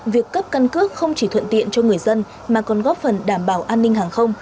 việc cấp căn cước không chỉ thuận tiện cho người dân mà còn góp phần đảm bảo an ninh hàng không